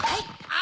あ！